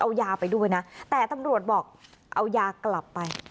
เอายาไปด้วยนะแต่ตำรวจบอกเอายากลับไป